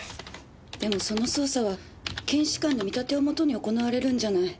でもその捜査は検視官の見立てをもとに行われるんじゃない。